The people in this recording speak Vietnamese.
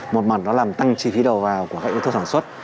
một mặt nó làm tăng chi phí đầu vào của các yếu tố sản xuất